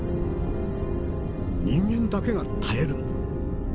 人間だけが耐えるのだ。